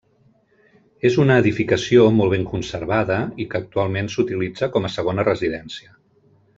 És una edificació molt ben conservada i que actualment s'utilitza com a segona residència.